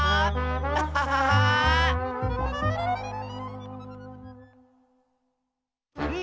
アハハハー！